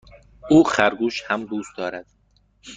او خرگوش هم دوست دارد.